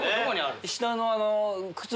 下の。